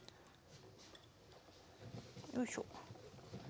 よいしょ。